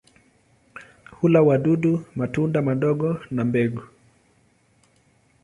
Hula wadudu, matunda madogo na mbegu.